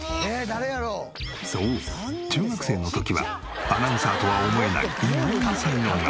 そう中学生の時はアナウンサーとは思えない意外な才能が。